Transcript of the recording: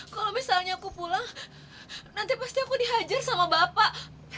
kalau misalnya aku pulang nanti pasti aku dihajar sama bapak